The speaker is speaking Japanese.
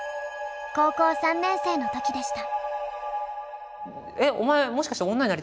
高校３年生の時でした。